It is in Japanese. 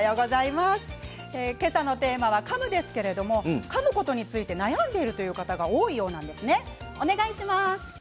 今朝のテーマは、かむですがかむことについて悩んでいるという方多いようなんですね。